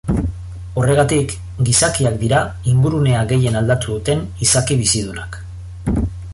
Horregatik, gizakiak dira ingurunea gehien aldatu duten izaki bizidunak.